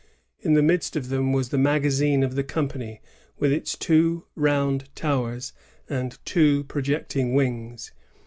In the midst of them was the magazine of the company, with its two round towers and two projecting wings.